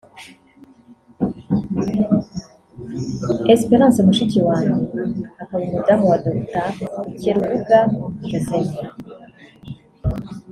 Espérance mushiki wanjye akaba umudamu wa Dr Rukeribuga Joseph